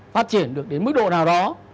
phát triển được đến mức độ nào đó